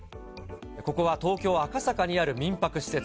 ここは東京・赤坂にある民泊施設。